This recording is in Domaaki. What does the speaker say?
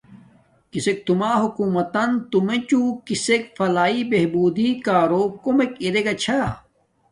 کسک توما حکومتتن تو میچوں کسک فلاح بہبوری کارو کوم ارے گا چھاہ۔